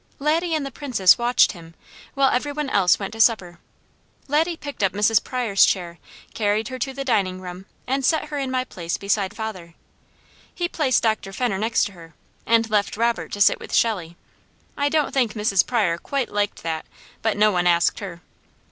Laddie and the Princess watched him, while every one else went to supper. Laddie picked up Mrs. Pryor's chair, carried her to the dining room, and set her in my place beside father. He placed Dr. Fenner next her, and left Robert to sit with Shelley. I don't think Mrs. Pryor quite liked that, but no one asked her.